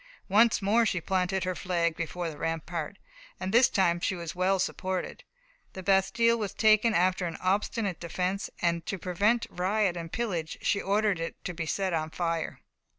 Once more she planted her flag before the rampart, and this time she was well supported. The bastile was taken after an obstinate defence, and to prevent riot and pillage she ordered it to be set on fire.